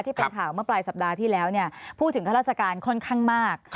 ที่เป็นข่าวเมื่อปลายสัปดาห์ที่แล้วพูดถึงข้าราชการค่อนข้างมาก